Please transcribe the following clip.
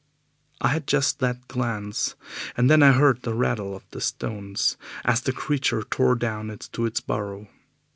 I had just that glance, and then I heard the rattle of the stones as the creature tore down into its burrow.